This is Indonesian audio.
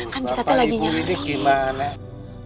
bapak ibu ini gimana